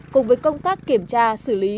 cùng với công tác kiểm tra xử lý